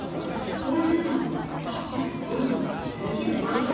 そういうのでも、朝の４時とかにも返信が来るの。